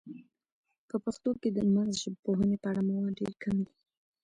په پښتو کې د مغزژبپوهنې په اړه مواد ډیر کم دي